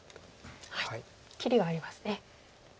切りがありますね。